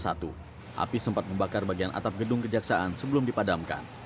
api sempat membakar bagian atap gedung kejaksaan sebelum dipadamkan